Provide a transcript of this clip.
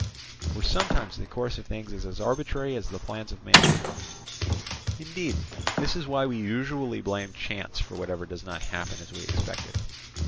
For sometimes the course of things is as arbitrary as the plans of man; indeed this is why we usually blame chance for whatever does not happen as we expected.